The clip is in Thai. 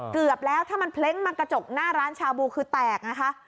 เกือบแล้วถ้ามันเล้งมากระจกหน้าร้านชาบูคือแตกไงคะ